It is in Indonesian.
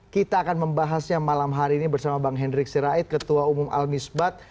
kita akan membahasnya malam hari ini bersama bang hendrik sirait ketua umum al misbat